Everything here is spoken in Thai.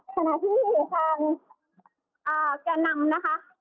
ฉะนั้นที่ทางอ่าแก่นั้มนะคะ